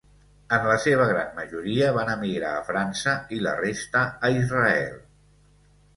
En la seva gran majoria van emigrar a França i la resta a Israel.